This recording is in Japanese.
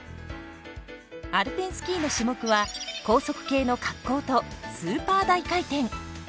アルペンスキーの種目は高速系の滑降とスーパー大回転。